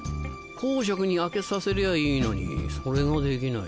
侯爵に開けさせりゃいいのにそれができない。